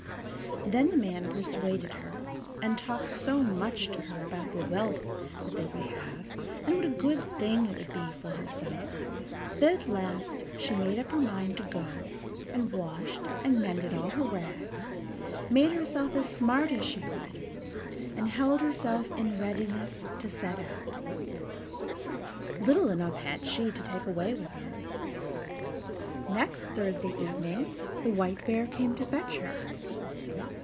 Then the man persuaded her, and talked so much to her about the wealth that they would have, and what a good thing it would be for herself, that at last she made up her mind to go, and washed and mended all her rags, made herself as smart as she could, and held herself in readiness to set out. Little enough had she to take away with her. Next Thursday evening the White Bear came to fetch her.